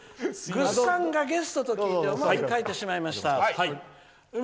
「ぐっさんがゲストと聞いて描いてしまいました。